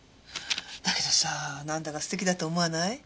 だけどさなんだか素敵だと思わない？